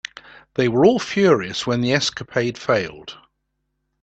They were all furious when the escapade failed.